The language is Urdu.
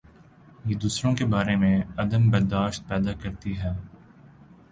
یہ دوسروں کے بارے میں عدم بر داشت پیدا کر تی ہے۔